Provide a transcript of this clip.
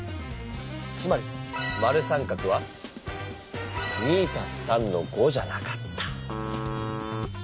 つまり○△は２＋３の５じゃなかった。